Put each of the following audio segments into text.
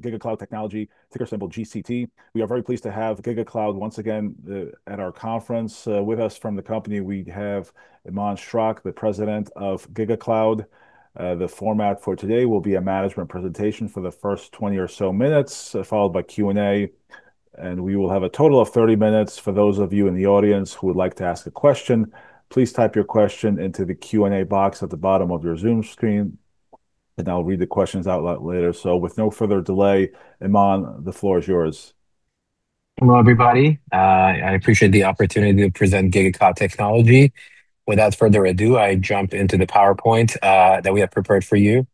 GigaCloud Technology, ticker symbol GCT. We are very pleased to have GigaCloud once again at our conference. With us from the company, we have Iman Schrock, the President of GigaCloud. The format for today will be a management presentation for the first 20 or so minutes, followed by Q&A. We will have a total of 30 minutes. For those of you in the audience who would like to ask a question, please type your question into the Q&A box at the bottom of your Zoom screen, and I'll read the questions out later. With no further delay, Iman, the floor is yours. Hello, everybody. I appreciate the opportunity to present GigaCloud Technology. Without further ado, I jump into the PowerPoint that we have prepared for you.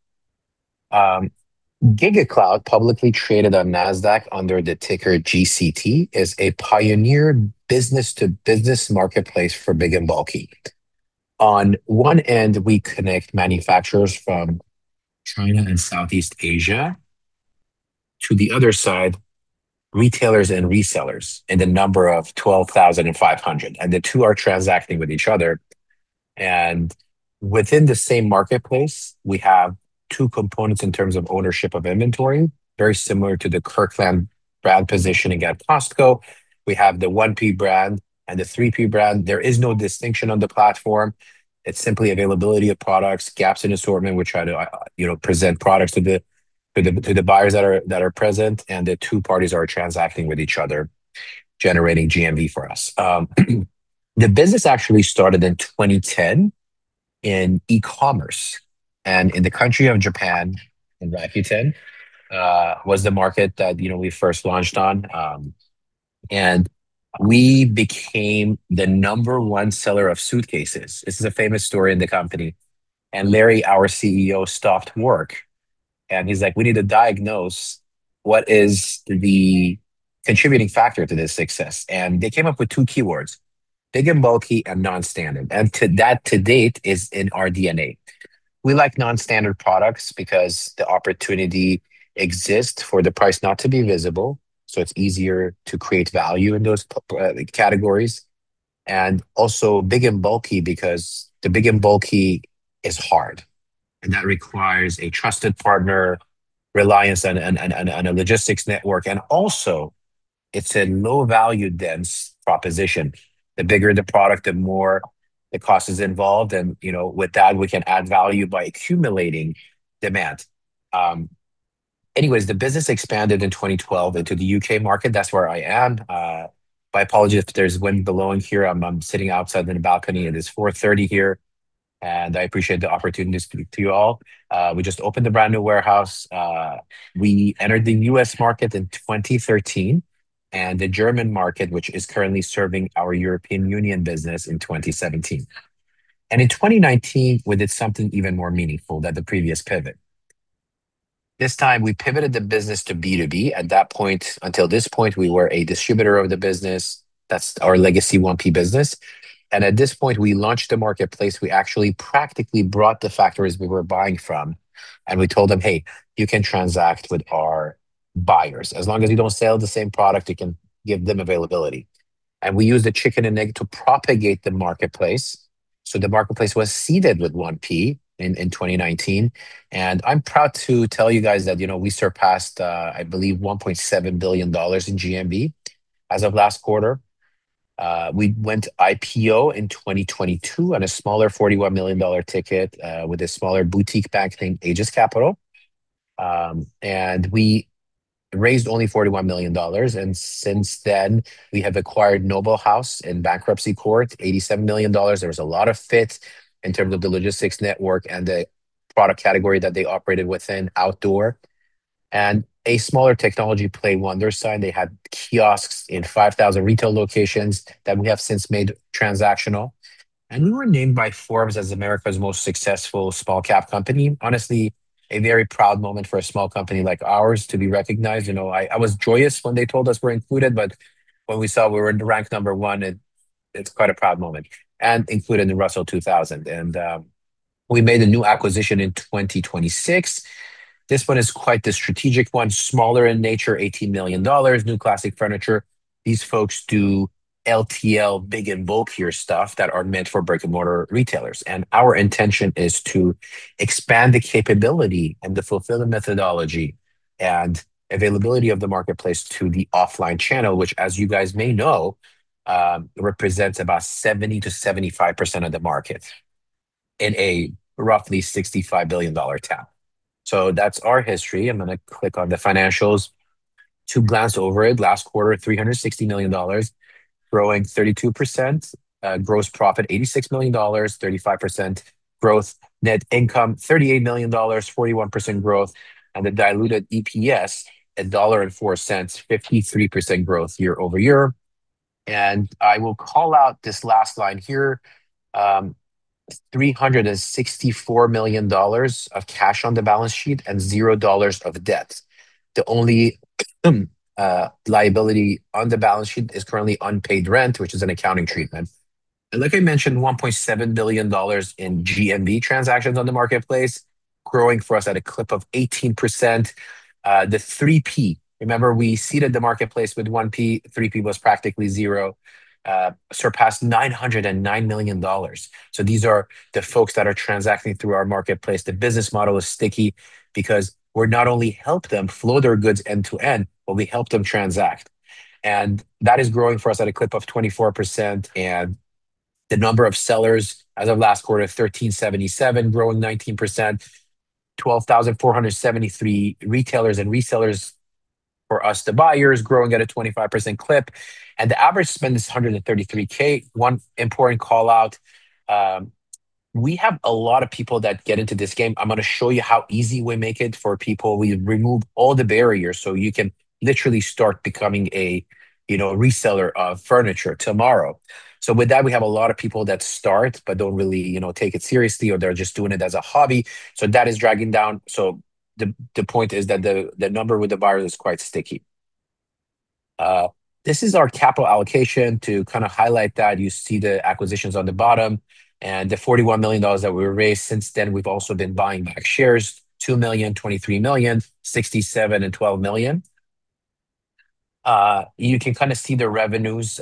GigaCloud, publicly traded on Nasdaq under the ticker GCT, is a pioneer business-to-business marketplace for big and bulky. On one end, we connect manufacturers from China and Southeast Asia. To the other side, retailers and resellers in the number of 12,500. The two are transacting with each other. Within the same marketplace, we have two components in terms of ownership of inventory, very similar to the Kirkland brand positioning at Costco. We have the 1P brand and the 3P brand. There is no distinction on the platform. It's simply availability of products, gaps in assortment. We try to present products to the buyers that are present, and the two parties are transacting with each other, generating GMV for us. The business actually started in 2010 in e-commerce and in the country of Japan. Rakuten was the market that we first launched on. We became the number one seller of suitcases. This is a famous story in the company. Larry, our CEO, stopped work, and he's like, "We need to diagnose what is the contributing factor to this success." They came up with two keywords, big and bulky, and non-standard. To that, to date, is in our DNA. We like non-standard products because the opportunity exists for the price not to be visible, so it's easier to create value in those categories. Also big and bulky because the big and bulky is hard, and that requires a trusted partner, reliance, and a logistics network. Also it's a low value dense proposition. The bigger the product, the more the cost is involved, and with that, we can add value by accumulating demand. Anyways, the business expanded in 2012 into the U.K. market. That's where I am. My apologies if there's wind blowing here. I'm sitting outside on a balcony, and it's 4:30 P.M. here, and I appreciate the opportunity to speak to you all. We just opened a brand new warehouse. We entered the U.S. market in 2013 and the German market, which is currently serving our European Union business, in 2017. In 2019, we did something even more meaningful than the previous pivot. This time, we pivoted the business to B2B. At that point, until this point, we were a distributor of the business. That's our legacy 1P business. At this point, we launched a marketplace. We actually practically brought the factories we were buying from, we told them, "Hey, you can transact with our buyers. As long as you don't sell the same product, you can give them availability." We used the chicken and egg to propagate the marketplace. The marketplace was seeded with 1P in 2019. I'm proud to tell you guys that we surpassed, I believe, $1.7 billion in GMV as of last quarter. We went IPO in 2022 on a smaller $41 million ticket, with a smaller boutique bank named Aegis Capital. We raised only $41 million. Since then, we have acquired Noble House in bankruptcy court, $87 million. There was a lot of fit in terms of the logistics network and the product category that they operated within, outdoor. A smaller technology play, Wondersign. They had kiosks in 5,000 retail locations that we have since made transactional. We were named by Forbes as America's most successful small-cap company. Honestly, a very proud moment for a small company like ours to be recognized. I was joyous when they told us we're included, but when we saw we were ranked number one, it's quite a proud moment. Included in the Russell 2000. We made a new acquisition in 2026. This one is quite the strategic one, smaller in nature, $18 million, New Classic Home Furnishings. These folks do LTL big and bulkier stuff that are meant for brick and mortar retailers. Our intention is to expand the capability and the fulfillment methodology and availability of the marketplace to the offline channel, which, as you guys may know, represents about 70%-75% of the market in a roughly $65 billion tab. That's our history. I'm going to click on the financials to glance over it. Last quarter, $360 million, growing 32%. Gross profit, $86 million, 35% growth. Net income, $38 million, 41% growth. The diluted EPS, $1.04, 53% growth year-over-year. I will call out this last line here, $364 million of cash on the balance sheet and $0 of debt. The only liability on the balance sheet is currently unpaid rent, which is an accounting treatment. Like I mentioned, $1.7 billion in GMV transactions on the marketplace, growing for us at a clip of 18%. The 3P, remember we seeded the marketplace with 1P, 3P was practically zero, surpassed $909 million. These are the folks that are transacting through our marketplace. The business model is sticky because we not only help them flow their goods end to end, but we help them transact. That is growing for us at a clip of 24%. The number of sellers as of last quarter, 1,377, growing 19%, 12,473 retailers and resellers for us. The buyer is growing at a 25% clip. The average spend is $133,000. One important call-out, we have a lot of people that get into this game. I'm going to show you how easy we make it for people. We remove all the barriers so you can literally start becoming a reseller of furniture tomorrow. With that, we have a lot of people that start but don't really take it seriously, or they're just doing it as a hobby. That is dragging down. The point is that the number with the buyer is quite sticky. This is our capital allocation. To kind of highlight that, you see the acquisitions on the bottom and the $41 million that we raised. Since then, we've also been buying back shares, $2 million, $23 million, $67 million, and $12 million. You can kind of see the revenues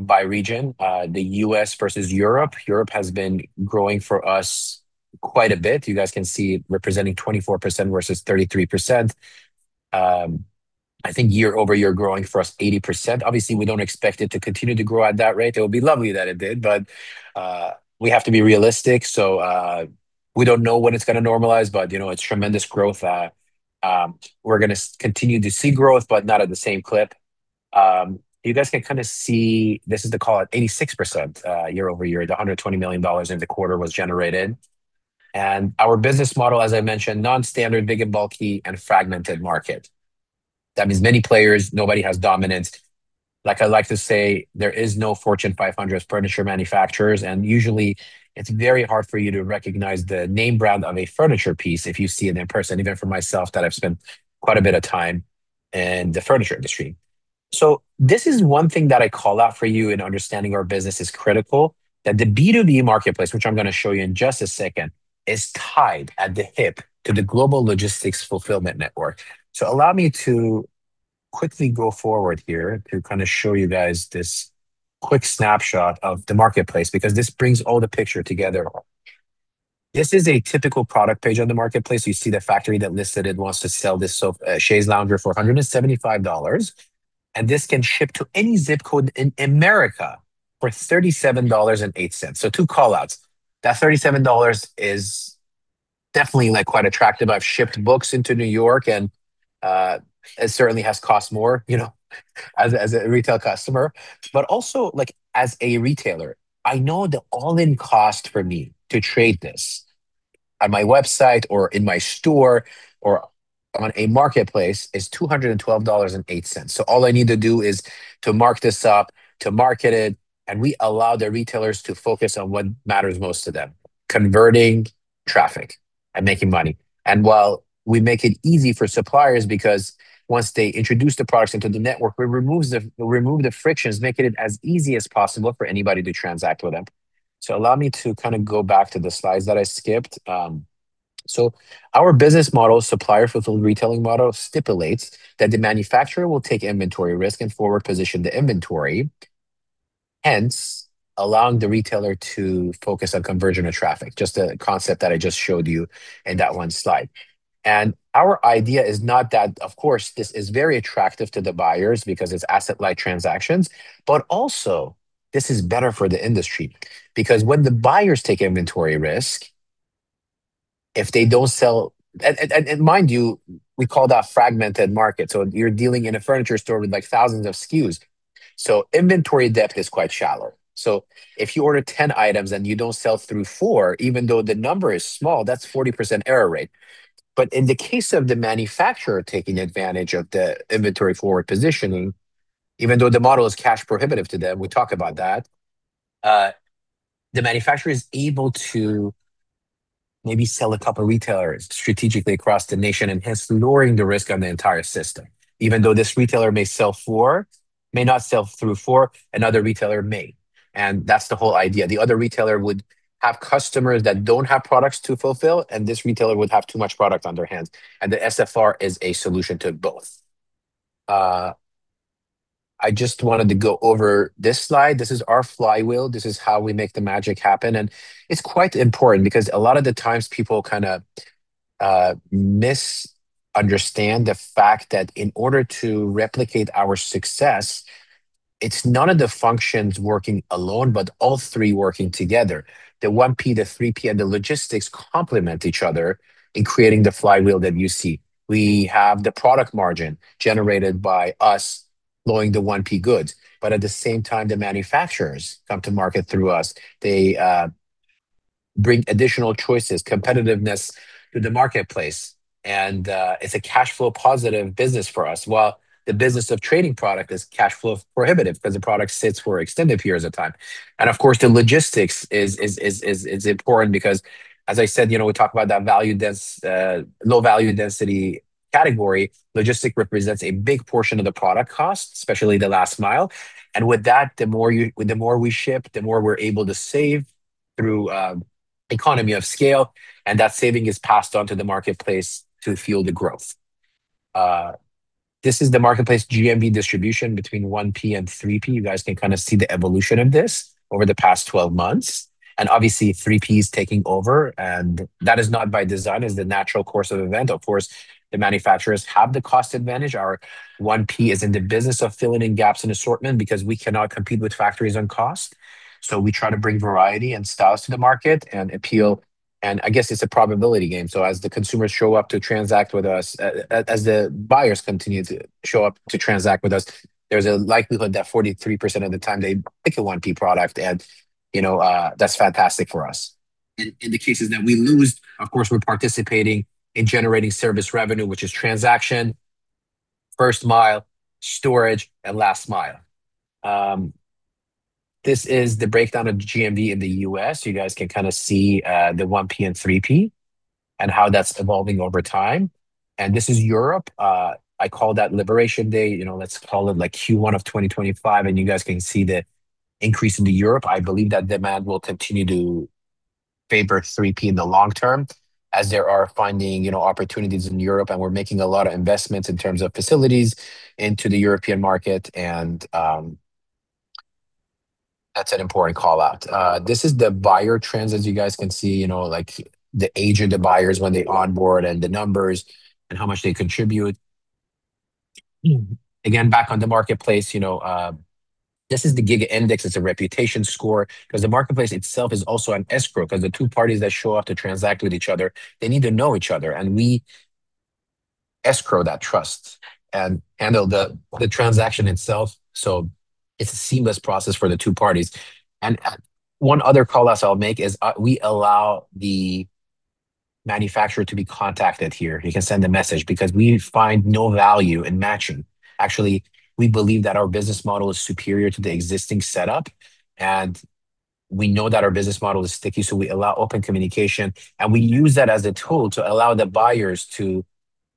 by region. The U.S. versus Europe. Europe has been growing for us quite a bit. You guys can see it representing 24% versus 33%. I think year-over-year growing for us 80%. Obviously, we don't expect it to continue to grow at that rate. It would be lovely that it did. We have to be realistic. We don't know when it's going to normalize, but it's tremendous growth. We're going to continue to see growth, but not at the same clip. You guys can kind of see this is the call at 86% year-over-year. The $120 million in the quarter was generated. Our business model, as I mentioned, non-standard, big and bulky, and fragmented market. That means many players, nobody has dominance. Like I like to say, there is no Fortune 500 furniture manufacturers, and usually it's very hard for you to recognize the name brand of a furniture piece if you see it in person, even for myself, that I've spent quite a bit of time in the furniture industry. This is one thing that I call out for you in understanding our business is critical, that the B2B marketplace, which I'm going to show you in just a second, is tied at the hip to the global logistics fulfillment network. Allow me to quickly go forward here to kind of show you guys this quick snapshot of the marketplace, because this brings all the picture together. This is a typical product page on the marketplace. You see the factory that listed it wants to sell this chaise lounger for $175, and this can ship to any zip code in America for $37.08. Two call-outs. That $37 is definitely quite attractive. I've shipped books into New York and it certainly has cost more as a retail customer. Also as a retailer, I know the all-in cost for me to trade this on my website or in my store or on a marketplace is $212.08. All I need to do is to mark this up, to market it, and we allow the retailers to focus on what matters most to them, converting traffic and making money. While we make it easy for suppliers because once they introduce the products into the network, we remove the frictions, making it as easy as possible for anybody to transact with them. Allow me to go back to the slides that I skipped. Our business model, Supplier Fulfilled Retailing model, stipulates that the manufacturer will take inventory risk and forward position the inventory, hence allowing the retailer to focus on conversion of traffic. Just a concept that I just showed you in that one slide. Our idea is not that, of course, this is very attractive to the buyers because it's asset-light transactions, but also this is better for the industry. When the buyers take inventory risk, if they don't sell. Mind you, we call that fragmented market. You're dealing in a furniture store with thousands of SKUs. Inventory depth is quite shallow. If you order 10 items and you don't sell through four, even though the number is small, that's 40% error rate. In the case of the manufacturer taking advantage of the inventory forward positioning, even though the model is cash prohibitive to them, we talk about that, the manufacturer is able to maybe sell a couple retailers strategically across the nation, and hence lowering the risk on the entire system. Even though this retailer may not sell through four, another retailer may, and that's the whole idea. The other retailer would have customers that don't have products to fulfill, and this retailer would have too much product on their hands. The SFR is a solution to both. I just wanted to go over this slide. This is our flywheel. This is how we make the magic happen. It's quite important because a lot of the times people kind of misunderstand the fact that in order to replicate our success, it's none of the functions working alone, but all three working together. The 1P, the 3P, and the logistics complement each other in creating the flywheel that you see. We have the product margin generated by us lowering the 1P goods. At the same time, the manufacturers come to market through us. They bring additional choices, competitiveness to the marketplace. It's a cash flow positive business for us. While the business of trading product is cash flow prohibitive because the product sits for extended periods of time. Of course, the logistics is important because, as I said, we talk about that low value density category logistic represents a big portion of the product cost, especially the last mile. With that, the more we ship, the more we're able to save through economy of scale, and that saving is passed on to the marketplace to fuel the growth. This is the marketplace GMV distribution between 1P and 3P. You guys can see the evolution of this over the past 12 months, and obviously 3P's taking over, and that is not by design. It's the natural course of event. Of course, the manufacturers have the cost advantage. Our 1P is in the business of filling in gaps in assortment because we cannot compete with factories on cost. We try to bring variety and styles to the market and appeal, and I guess it's a probability game. As the consumers show up to transact with us, as the buyers continue to show up to transact with us, there's a likelihood that 43% of the time they pick a 1P product and that's fantastic for us. In the cases that we lose, of course, we're participating in generating service revenue, which is transaction, first mile, storage, and last mile. This is the breakdown of GMV in the U.S. You guys can see the 1P and 3P and how that's evolving over time. This is Europe. I call that Liberation Day. Let's call it Q1 of 2025, and you guys can see the increase into Europe. I believe that demand will continue to favor 3P in the long term as they are finding opportunities in Europe, and we're making a lot of investments in terms of facilities into the European market, and that's an important call-out. This is the buyer trends. As you guys can see, the age of the buyers when they onboard and the numbers and how much they contribute. Again, back on the marketplace. This is the Giga Index. It's a reputation score because the marketplace itself is also an escrow because the two parties that show up to transact with each other, they need to know each other, and we escrow that trust and handle the transaction itself, so it's a seamless process for the two parties. One other call I'll make is we allow the manufacturer to be contacted here. He can send a message because we find no value in matching. Actually, we believe that our business model is superior to the existing setup, and we know that our business model is sticky, so we allow open communication, and we use that as a tool to allow the buyers to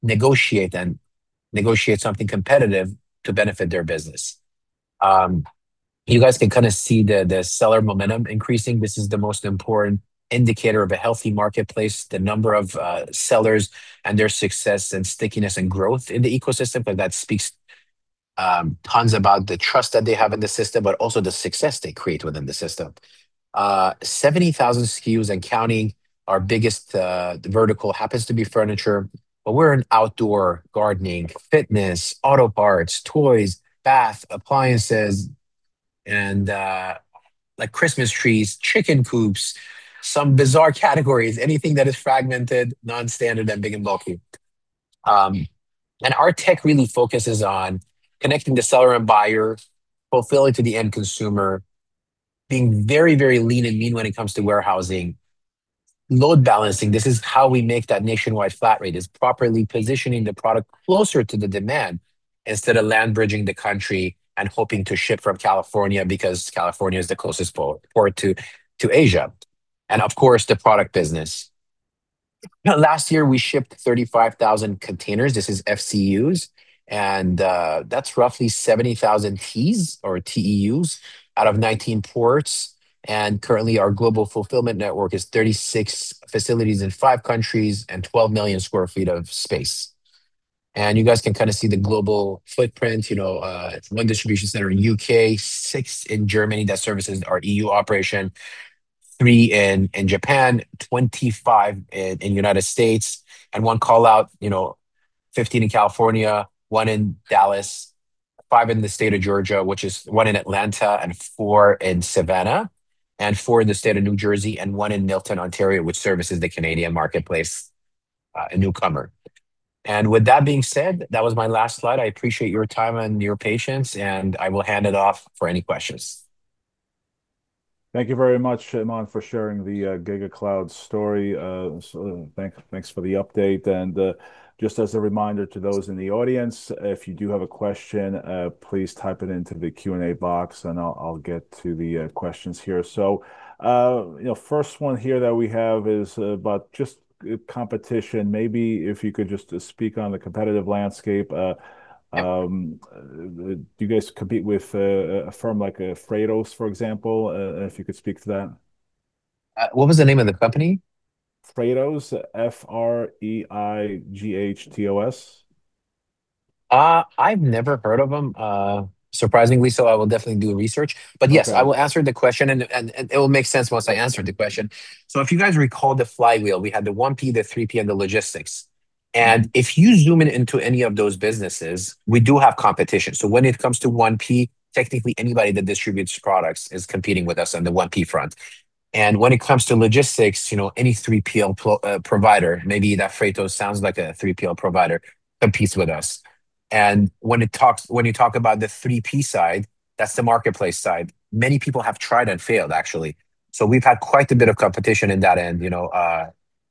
negotiate and negotiate something competitive to benefit their business. You guys can see the seller momentum increasing. This is the most important indicator of a healthy marketplace, the number of sellers and their success and stickiness and growth in the ecosystem. That speaks tons about the trust that they have in the system, but also the success they create within the system. 70,000 SKUs and counting. Our biggest vertical happens to be furniture, but we're in outdoor, gardening, fitness, auto parts, toys, bath, appliances, and Christmas trees, chicken coops. Some bizarre categories. Anything that is fragmented, non-standard, and big and bulky. Our tech really focuses on connecting the seller and buyer, fulfilling to the end consumer, being very lean and mean when it comes to warehousing. Load balancing. This is how we make that nationwide flat rate, is properly positioning the product closer to the demand instead of land bridging the country and hoping to ship from California because California is the closest port to Asia. Of course, the product business. Last year, we shipped 35,000 containers. This is FEUs, and that's roughly 70,000 TEUs or T-E-Us out of 19 ports. Currently, our global fulfillment network is 36 facilities in five countries and 12 million sq ft of space. You guys can see the global footprint. One distribution center in U.K., six in Germany. That service is our EU operation. Three in Japan, 25 in the U.S., and one call-out, 15 in California, one in Dallas, five in the state of Georgia, which is one in Atlanta and four in Savannah, and four in the state of New Jersey, and one in Milton, Ontario, which services the Canadian marketplace, a newcomer. With that being said, that was my last slide. I appreciate your time and your patience, and I will hand it off for any questions. Thank you very much, Iman, for sharing the GigaCloud story. Thanks for the update. Just as a reminder to those in the audience, if you do have a question, please type it into the Q&A box, and I'll get to the questions here. First one here that we have is about just competition. Maybe if you could just speak on the competitive landscape. Do you guys compete with a firm like a Freightos, for example? If you could speak to that. What was the name of the company? Freightos. F-R-E-I-G-H-T-O-S. I've never heard of them, surprisingly so. I will definitely do research. Okay. Yes, I will answer the question, it will make sense once I answer the question. If you guys recall the flywheel, we had the 1P, the 3P, and the logistics. If you zoom in into any of those businesses, we do have competition. When it comes to 1P, technically anybody that distributes products is competing with us on the 1P front. When it comes to logistics, any 3PL provider, maybe that Freightos sounds like a 3PL provider, competes with us. When you talk about the 3P side, that's the marketplace side. Many people have tried and failed, actually. We've had quite a bit of competition in that end,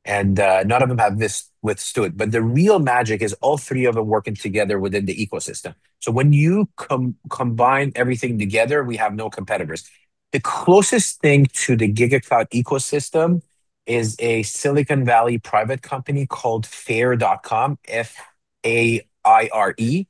and none of them have withstood. The real magic is all three of them working together within the ecosystem. When you combine everything together, we have no competitors. The closest thing to the GigaCloud ecosystem is a Silicon Valley private company called faire.com, F-A-I-R-E.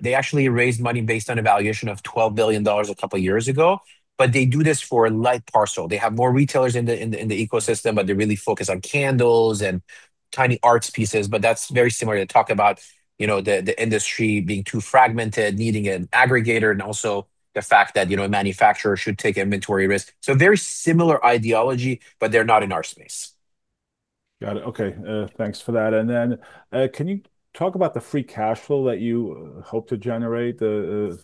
They actually raised money based on a valuation of $12 billion a couple of years ago, but they do this for a light parcel. They have more retailers in the ecosystem, but they really focus on candles and tiny arts pieces. That's very similar. They talk about the industry being too fragmented, needing an aggregator, and also the fact that a manufacturer should take inventory risk. Very similar ideology, but they're not in our space. Got it. Okay. Thanks for that. Then, can you talk about the free cash flow that you hope to generate? The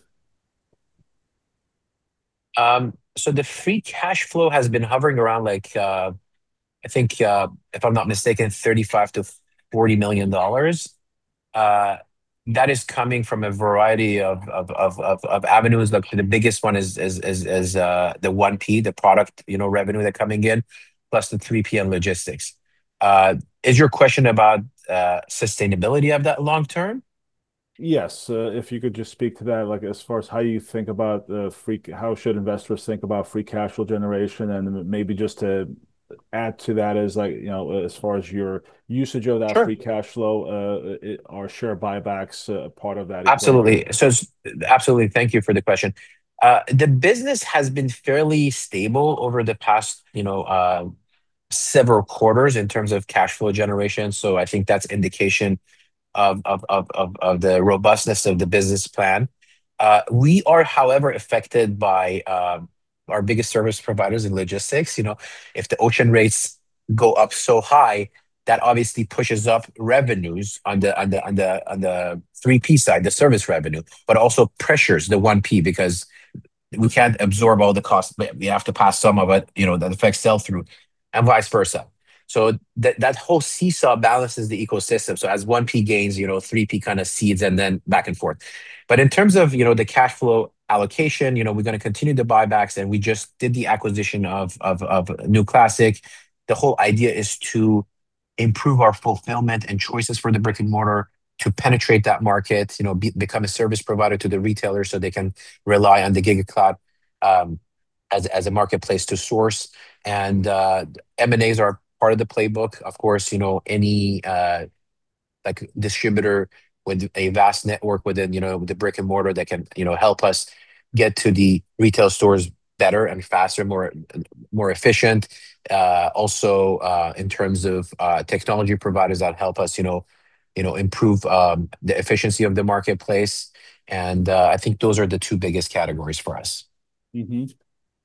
free cash flow has been hovering around, I think, if I'm not mistaken, $35 million-$40 million. That is coming from a variety of avenues. The biggest one is the 1P, the product revenue that are coming in, plus the 3PL logistics. Is your question about sustainability of that long term? Yes. If you could just speak to that, as far as how you think about how should investors think about free cash flow generation and maybe just to add to that. Sure. free cash flow, are share buybacks a part of that equation? Absolutely. Thank you for the question. The business has been fairly stable over the past several quarters in terms of cash flow generation, I think that's indication of the robustness of the business plan. We are, however, affected by our biggest service providers in logistics. If the ocean rates go up so high, that obviously pushes up revenues on the 3P side, the service revenue. Also pressures the 1P because we can't absorb all the cost. We have to pass some of it, that affects sell-through, and vice versa. That whole seesaw balances the ecosystem. As 1P gains, 3P kind of cedes and then back and forth. In terms of the cash flow allocation, we're going to continue the buybacks, and we just did the acquisition of New Classic. The whole idea is to improve our fulfillment and choices for the brick-and-mortar to penetrate that market, become a service provider to the retailer so they can rely on the GigaCloud as a marketplace to source. M&As are part of the playbook. Of course, any distributor with a vast network within the brick-and-mortar that can help us get to the retail stores better and faster, more efficient. In terms of technology providers that help us improve the efficiency of the marketplace and, I think those are the two biggest categories for us.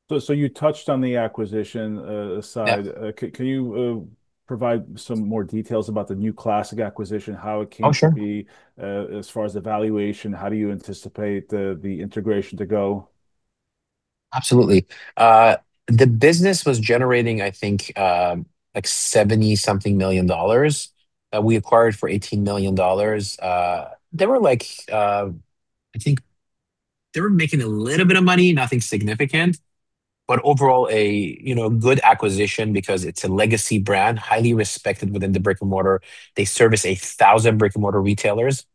You touched on the acquisition side. Yeah. Can you provide some more details about the New Classic acquisition, how it came to be? Sure. As far as the valuation, how do you anticipate the integration to go? Absolutely. The business was generating, I think, like 70-something million dollars. We acquired for $18 million. They were making a little bit of money, nothing significant, but overall, a good acquisition because it's a legacy brand, highly respected within the brick-and-mortar. They service 1,000 brick-and-mortar retailers,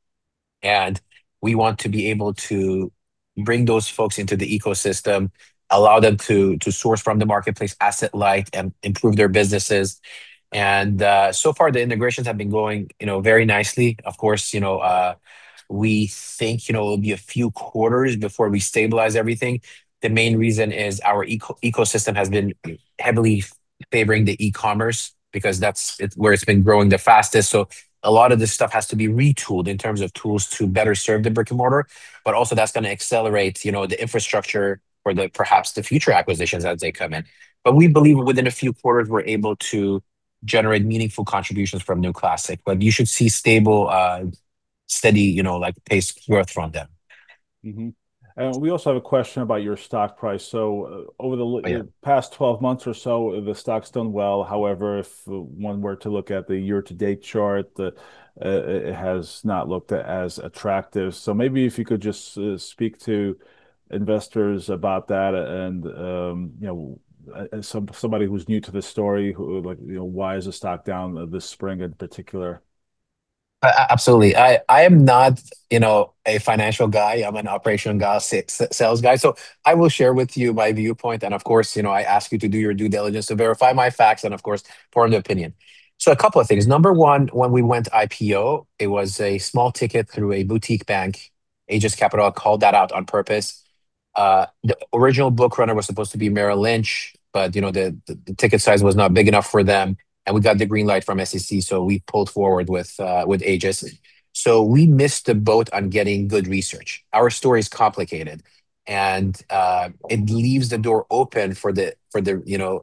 and we want to be able to bring those folks into the ecosystem, allow them to source from the marketplace asset light and improve their businesses. So far, the integrations have been going very nicely. Of course, we think it'll be a few quarters before we stabilize everything. The main reason is our ecosystem has been heavily favoring the e-commerce because that's where it's been growing the fastest. A lot of this stuff has to be retooled in terms of tools to better serve the brick-and-mortar, also that's going to accelerate the infrastructure for perhaps the future acquisitions as they come in. We believe within a few quarters, we're able to generate meaningful contributions from New Classic. You should see stable, steady, paced growth from them. Mm-hmm. We also have a question about your stock price. Over the- Yeah past 12 months or so, the stock's done well. However, if one were to look at the year-to-date chart, it has not looked as attractive. Maybe if you could just speak to investors about that and somebody who's new to the story who like, why is the stock down this spring in particular? Absolutely. I am not a financial guy. I'm an operation guy, sales guy. I will share with you my viewpoint and, of course, I ask you to do your due diligence to verify my facts and, of course, form your opinion. A couple of things. Number one, when we went IPO, it was a small ticket through a boutique bank, Aegis Capital, I called that out on purpose. The original book runner was supposed to be Merrill Lynch, but the ticket size was not big enough for them, and we got the green light from SEC, we pulled forward with Aegis. We missed the boat on getting good research. Our story is complicated, and it leaves the door open for the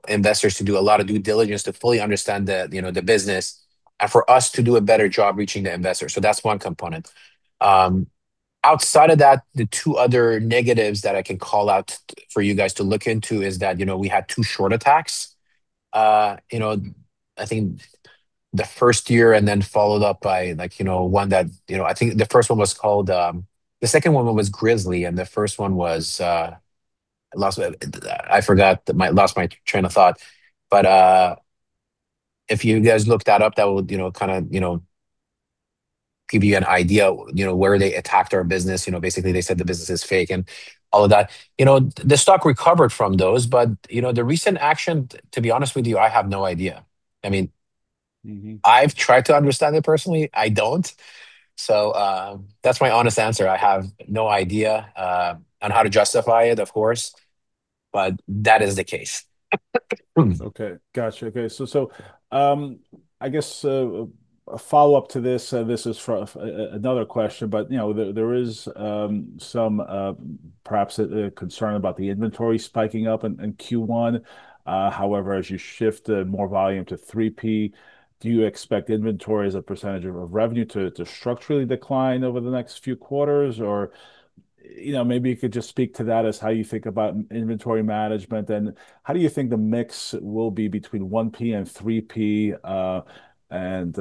investors to do a lot of due diligence to fully understand the business and for us to do a better job reaching the investors. That's one component. Outside of that, the two other negatives that I can call out for you guys to look into is that we had two short attacks. I think the first year and then followed up by one that. I think the first one was called. The second one was Grizzly, and the first one was, I forgot, I lost my train of thought. If you guys look that up, that will kind of give you an idea where they attacked our business. Basically, they said the business is fake and all of that. The stock recovered from those but the recent action, to be honest with you, I have no idea. I've tried to understand it personally. I don't. That's my honest answer. I have no idea on how to justify it, of course, but that is the case. Okay. Got you. Okay. I guess a follow-up to this is another question, but there is some perhaps concern about the inventory spiking up in Q1. However, as you shift more volume to 3P, do you expect inventory as a percentage of revenue to structurally decline over the next few quarters? Or, maybe you could just speak to that as how you think about inventory management. Then how do you think the mix will be between 1P and 3P, and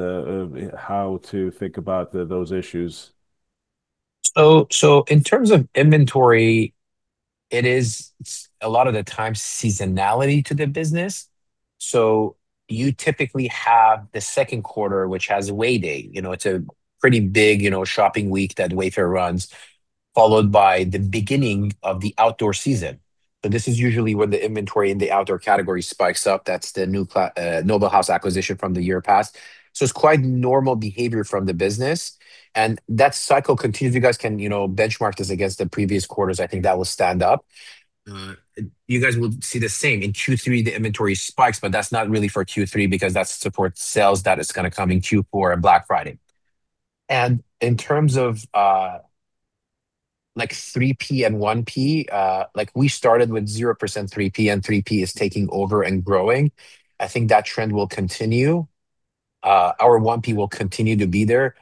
how to think about those issues? In terms of inventory, it is a lot of the time seasonality to the business. You typically have the second quarter, which has Way Day. It's a pretty big shopping week that Wayfair runs, followed by the beginning of the outdoor season. This is usually when the inventory in the outdoor category spikes up. That's the Noble House acquisition from the year past. It's quite normal behavior from the business, and that cycle continues. You guys can benchmark this against the previous quarters. I think that will stand up. You guys will see the same. In Q3, the inventory spikes, but that's not really for Q3 because that supports sales that is going to come in Q4 and Black Friday. In terms of 3P and 1P, we started with 0% 3P, and 3P is taking over and growing. I think that trend will continue. Our 1P will continue to be there.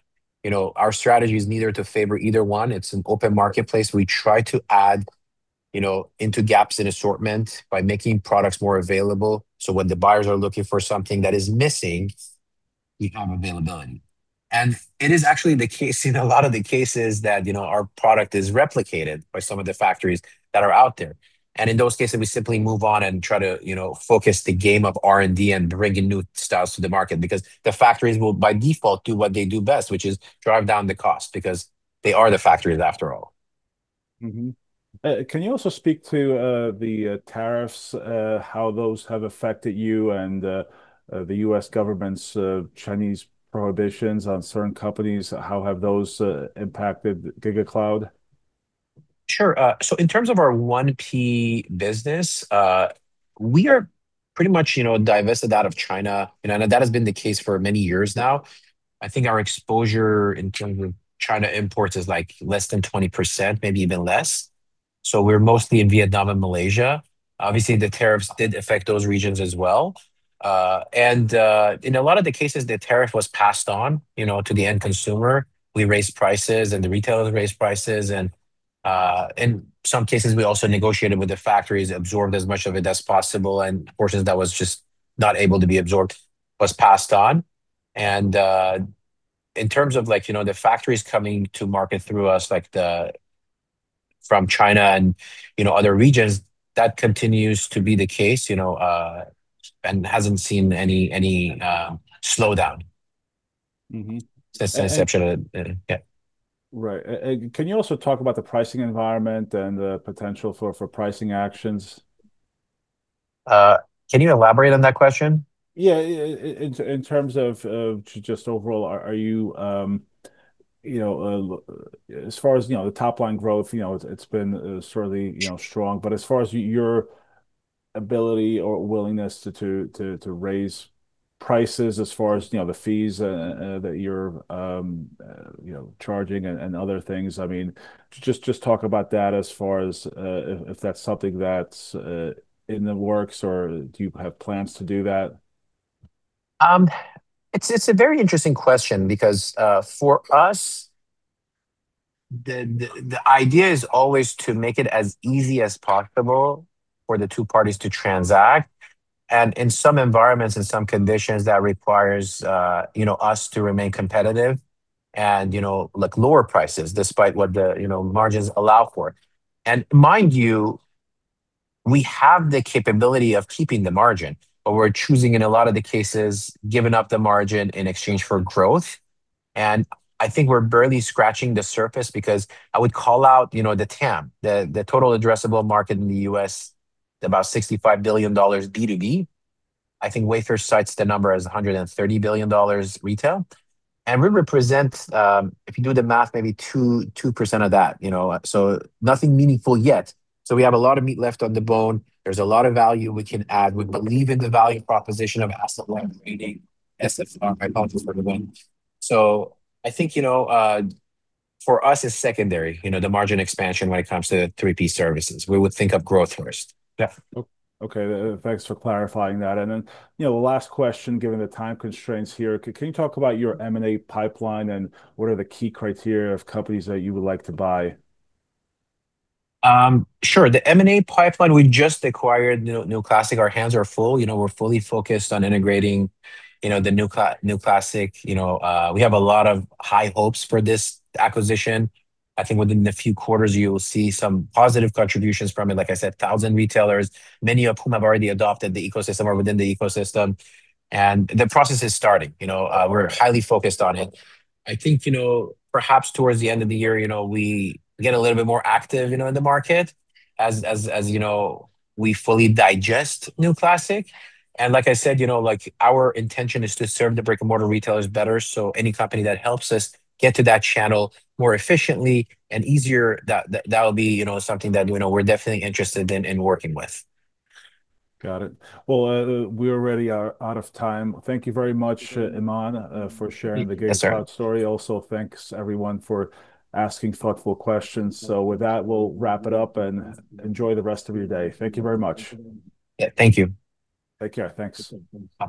Our strategy is neither to favor either one. It's an open marketplace. We try to add into gaps in assortment by making products more available, so when the buyers are looking for something that is missing, we have availability. It is actually the case in a lot of the cases that our product is replicated by some of the factories that are out there. In those cases, we simply move on and try to focus the game of R&D and bring in new styles to the market because the factories will, by default, do what they do best, which is drive down the cost because they are the factories, after all. Can you also speak to the tariffs, how those have affected you and the U.S. government's Chinese prohibitions on certain companies? How have those impacted GigaCloud? Sure. In terms of our 1P business, we are pretty much divested out of China, and that has been the case for many years now. I think our exposure in terms of China imports is less than 20%, maybe even less. We're mostly in Vietnam and Malaysia. Obviously, the tariffs did affect those regions as well. In a lot of the cases, the tariff was passed on to the end consumer. We raised prices and the retailers raised prices and, in some cases, we also negotiated with the factories, absorbed as much of it as possible, and portions that was just not able to be absorbed was passed on. In terms of the factories coming to market through us from China and other regions, that continues to be the case, and hasn't seen any slowdown. Since inception. Yeah. Right. Can you also talk about the pricing environment and the potential for pricing actions? Can you elaborate on that question? Yeah. In terms of just overall, as far as the top-line growth, it's been certainly strong. As far as your ability or willingness to raise prices as far as the fees that you're charging and other things, just talk about that as far as if that's something that's in the works, or do you have plans to do that? It's a very interesting question because, for us, the idea is always to make it as easy as possible for the two parties to transact, in some environments, in some conditions, that requires us to remain competitive and lower prices despite what the margins allow for. Mind you, we have the capability of keeping the margin, but we're choosing, in a lot of the cases, giving up the margin in exchange for growth. I think we're barely scratching the surface because I would call out the TAM, the total addressable market in the U.S., about $65 billion B2B. I think Wayfair cites the number as $130 billion retail. We represent, if you do the math, maybe 2% of that. Nothing meaningful yet. We have a lot of meat left on the bone. There's a lot of value we can add. We believe in the value proposition of asset light retailing, SFR, I apologize for the vent. I think, for us, it's secondary, the margin expansion when it comes to 3P services. We would think of growth first. Yeah. Okay. Thanks for clarifying that. Then the last question, given the time constraints here, can you talk about your M&A pipeline and what are the key criteria of companies that you would like to buy? Sure. The M&A pipeline, we just acquired New Classic. Our hands are full. We're fully focused on integrating the New Classic. We have a lot of high hopes for this acquisition. I think within a few quarters, you will see some positive contributions from it. Like I said, 1,000 retailers, many of whom have already adopted the ecosystem or within the ecosystem. The process is starting. We're highly focused on it. I think perhaps towards the end of the year, we get a little bit more active in the market as we fully digest New Classic. Like I said, our intention is to serve the brick-and-mortar retailers better. Any company that helps us get to that channel more efficiently and easier, that will be something that we're definitely interested in working with. Got it. We already are out of time. Thank you very much, Iman, for sharing the GigaCloud- Yes, sir. story. Thanks everyone for asking thoughtful questions. With that, we'll wrap it up and enjoy the rest of your day. Thank you very much. Yeah. Thank you. Take care. Thanks. Bye.